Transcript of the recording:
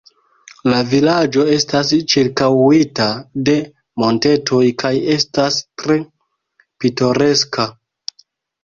La vilaĝo estas ĉirkaŭita de montetoj kaj estas tre pitoreska.